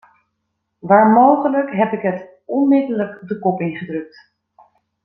Waar mogelijk heb ik het onmiddellijk de kop ingedrukt.